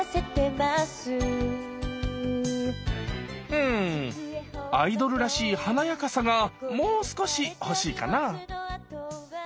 うんアイドルらしい華やかさがもう少し欲しいかな？